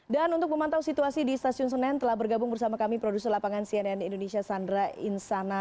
dan untuk memantau situasi di stasiun senen telah bergabung bersama kami produser lapangan cnn indonesia sandra insana